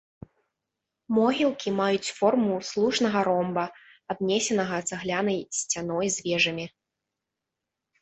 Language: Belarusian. Могілкі маюць форму слушнага ромба, абнесенага цаглянай сцяной з вежамі.